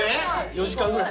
４時間ぐらい。